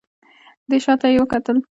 دی شا ته يې وکتل.